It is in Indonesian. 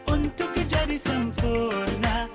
untuk kejadi sempurna